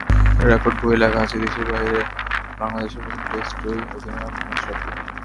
Record বইয়ে লেখা আছে দেশের বাইরে বাংলাদেশের প্রথম টেস্ট জয়ী অধিনায়ক মাশরাফি।